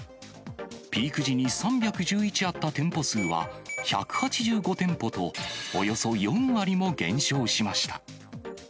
ピーク時に３１１あった店舗数は、１８５店舗とおよそ４割も減少しました。